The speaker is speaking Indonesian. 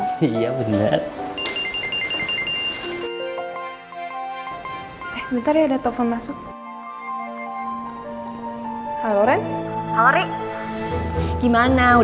gua mau cepet aku yang landlords akibat sama lu